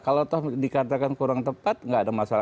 kalau dikatakan kurang tepat nggak ada masalah